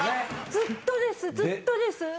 ずっとですずっとです。